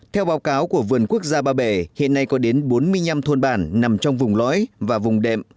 theo báo cáo của vườn quốc gia ba bể hiện nay có đến bốn mươi năm thôn bản nằm trong vùng lõi và vùng đệm